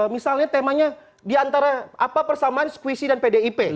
misalnya temanya diantara apa persamaan squisi dan pdip